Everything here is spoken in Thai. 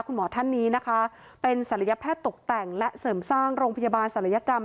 คุณหมอท่านนี้นะคะเป็นศัลยแพทย์ตกแต่งและเสริมสร้างโรงพยาบาลศัลยกรรม